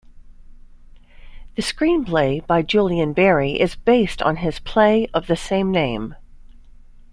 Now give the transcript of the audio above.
The screenplay by Julian Barry is based on his play of the same name.